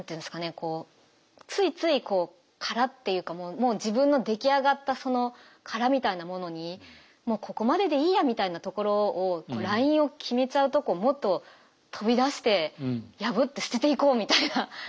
こうついついこう殻っていうかもう自分の出来上がったその殻みたいなものにもうここまででいいやみたいなところをラインを決めちゃうとこをもっと飛び出して破って捨てていこうみたいな。